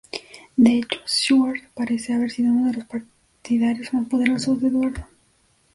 De hecho, Siward parece haber sido uno de los partidarios más poderosos de Eduardo.